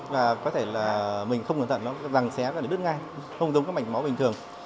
và có thể là mình không cẩn thận nó răng xé ra để đứt ngay không giống các mạch máu bình thường